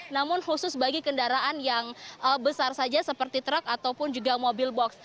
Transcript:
namun khusus bagi kendaraan yang besar saja seperti truk ataupun juga mobil box